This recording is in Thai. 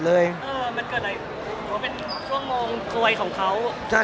พวกมองซวยของเขา